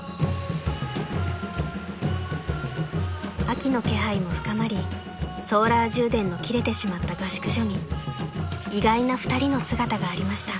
［秋の気配も深まりソーラー充電の切れてしまった合宿所に意外な２人の姿がありました］